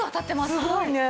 すごいね。